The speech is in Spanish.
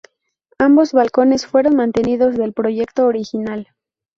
Ambos balcones fueron mantenidos del proyecto original.